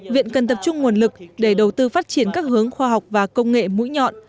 viện cần tập trung nguồn lực để đầu tư phát triển các hướng khoa học và công nghệ mũi nhọn